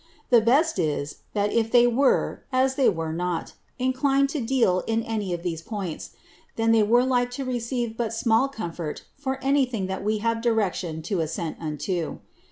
The best is, that if they were (as they are » deal in any of these points, then they were like to receive but br anything that we have direction to assent unto.